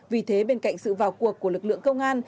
vì thế bên cạnh sự vào cuộc của lực lượng công an